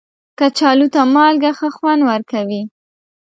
کچالو ته مالګه ښه خوند ورکوي